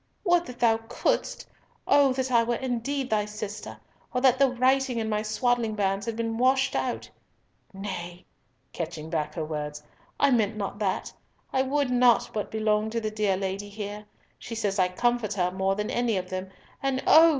"Would that thou couldst! O that I were indeed thy sister, or that the writing in my swaddling bands had been washed out!—Nay," catching back her words, "I meant not that! I would not but belong to the dear Lady here. She says I comfort her more than any of them, and oh!